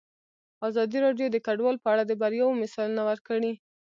ازادي راډیو د کډوال په اړه د بریاوو مثالونه ورکړي.